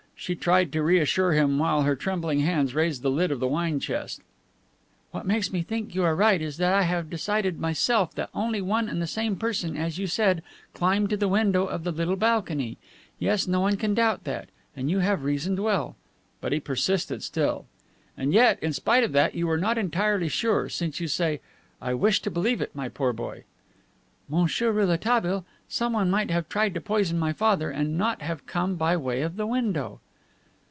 She tried to reassure him while her trembling hands raised the lid of the wine chest. "What makes me think you are right is that I have decided myself that only one and the same person, as you said, climbed to the window of the little balcony. Yes, no one can doubt that, and you have reasoned well." But he persisted still. "And yet, in spite of that, you are not entirely sure, since you say, 'I wish to believe it, my poor boy.'" "Monsieur Rouletabille, someone might have tried to poison my father, and not have come by way of the window."